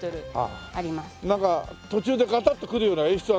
なんか途中でガタッとくるような演出はないの？